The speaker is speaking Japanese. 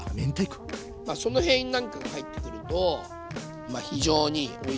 まあその辺なんかが入ってくると非常においしく。